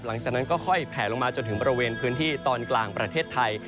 หลังจากนั้นก็ค่อยแผลลงมาจนถึงบริเวณพื้นที่ตอนกลางประเทศไทย